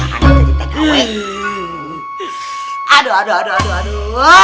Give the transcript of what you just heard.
aduh aduh aduh aduh aduh aduh